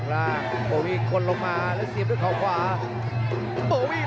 พาท่านผู้ชมกลับติดตามความมันกันต่อครับ